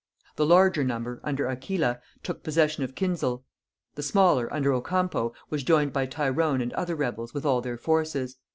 The larger number, under Aquila, took possession of Kinsale; the smaller, under Ocampo, was joined by Tyrone and other rebels with all their forces.